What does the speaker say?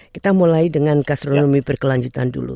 kita mulai dengan gastronomi berkelanjutan dulu